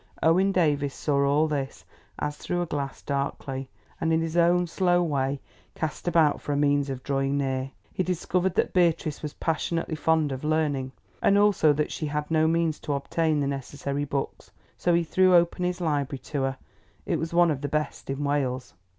Owen Davies saw all this as through a glass darkly, and in his own slow way cast about for a means of drawing near. He discovered that Beatrice was passionately fond of learning, and also that she had no means to obtain the necessary books. So he threw open his library to her; it was one of the best in Wales.